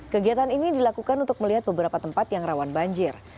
kegiatan ini dilakukan untuk melihat beberapa tempat yang rawan banjir